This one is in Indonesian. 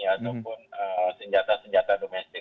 ataupun senjata senjata domesik